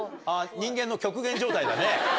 人間の極限状態だね。